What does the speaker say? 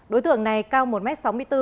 đối tượng này cao một m sáu mươi bốn